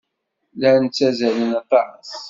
Llan ttazzalen aṭas.